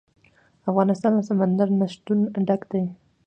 افغانستان له سمندر نه شتون ډک دی.